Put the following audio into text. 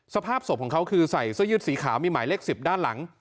สภาพศพของเขาคือใส่เสื้อยืดสีขาวมีหมายเลข๑๐ด้านหลัง